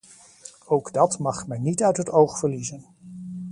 Ook dat mag men niet uit het oog verliezen.